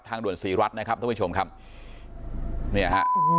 ทางด่วนสี่รัฐนะครับท่านผู้ชมครับเนี่ยฮะ